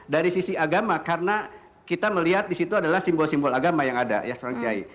dari sisi agama karena kita melihat di situ adalah simbol simbol agama yang ada ya